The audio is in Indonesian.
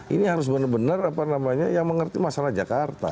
ini harus benar benar yang mengerti masalah jakarta